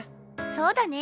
そうだね。